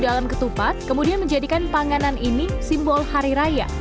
dalam ketupat kemudian menjadikan panganan ini simbol hari raya